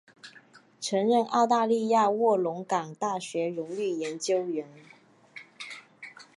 曾任澳大利亚卧龙岗大学荣誉研究员。